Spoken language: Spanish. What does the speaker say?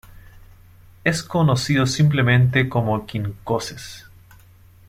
Es conocido simplemente como Quincoces.